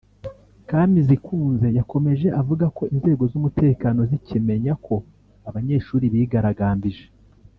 Kamizikunze yakomeje avuga ko inzego z’umutekano zikimenya ko abanyeshuri bigaragambije